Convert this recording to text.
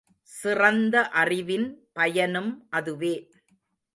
சிறந்த அறிவின் பயனும் அதுவே.